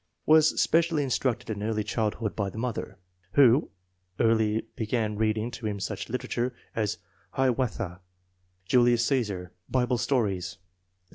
Was specially instructed in early childhood by the mother, who early began reading to him such literature as Hiawatha, Julius C&sar, Bible Stories, etc.